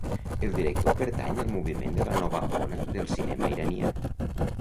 El director pertany al moviment de la nova ona del cinema iranià..